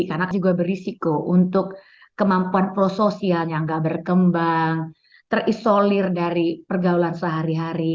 karena juga berisiko untuk kemampuan prososial yang nggak berkembang terisolir dari pergaulan sehari hari